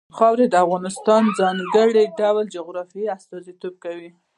خاوره د افغانستان د ځانګړي ډول جغرافیه استازیتوب کوي.